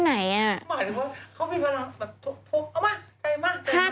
หมายถึงว่าเขามีฟ้าน้องแบบโถโถเอามาใกล้มาใกล้มา